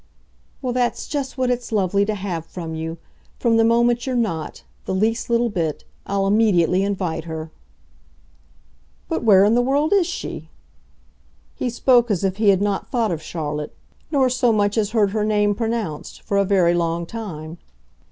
"Well, that's just what it's lovely to have from you. From the moment you're NOT the least little bit I'll immediately invite her." "But where in the world is she?" He spoke as if he had not thought of Charlotte, nor so much as heard her name pronounced, for a very long time.